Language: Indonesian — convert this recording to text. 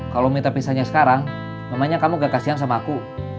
kalau minta pisahnya sekarang mamanya kamu gak kasihan sama aku